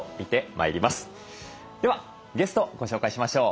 ではゲストをご紹介しましょう。